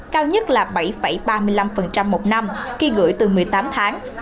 cao nhất là bảy ba mươi năm một năm khi gửi từ một mươi tám tháng